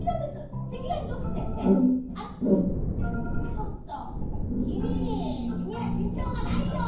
「ちょっときみきみはしんちょうがないよ！